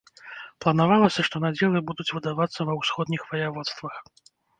Планавалася, што надзелы будуць выдавацца ва ўсходніх ваяводствах.